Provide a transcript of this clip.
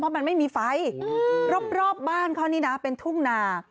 มันไม่มีไฟรอบบ้านเขานี่นะเป็นทุ่งนา